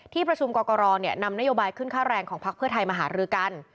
ที่ประชุมกรกรนำนโยบายขึ้นค่าแรงของพักเพื่อไทยมาหารือกัน